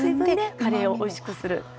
カレーをおいしくする。